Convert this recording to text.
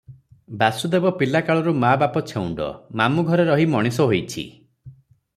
ବାସୁଦେବ ପିଲାକାଳରୁ ମା ବାପ ଛେଉଣ୍ଡ, ମାମୁ ଘରେ ରହି ମଣିଷ ହୋଇଛି ।